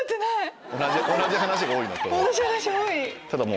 同じ話が多い。